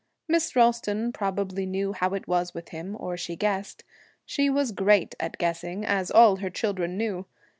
Miss Ralston probably knew how it was with him, or she guessed. She was great at guessing, as all her children knew.